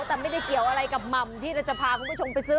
แต่ไม่ได้เกี่ยวอะไรกับหม่ำที่เราจะพาคุณผู้ชมไปซื้อ